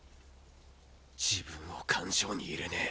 自分を勘定に入れねェ。